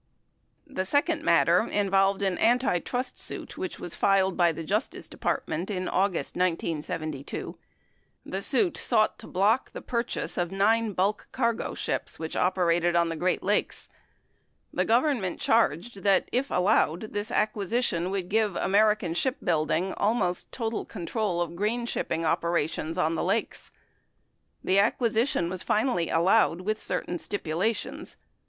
The second matter involved an antitrust suit which was filed by the Justice Department in August 1972. The suit sought to block the pur chase of nine bulk earsro ships which operated on the Great Lakes. The Government charged that, if allowed, this acquisition would give American Ship Building almost total control of grain shipping opera tions on the lakes. The acquisition was finallv allowed with certain stipulations.